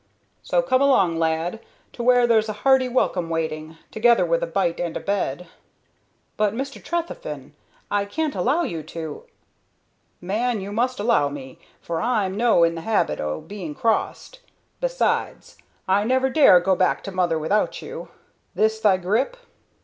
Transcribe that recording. So come along, lad, to where there's a hearty welcome waiting, togither with a bite and a bed." "But, Mr. Trefethen, I can't allow you to " "Man, you must allow me, for I'm no in the habit o' being crossed. Besides, I'd never dare go back to mother without you. This thy grip?"